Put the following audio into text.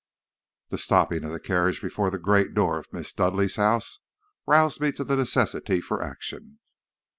"The stopping of the carriage before the great door of Miss Dudleigh's house roused me to the necessity for action.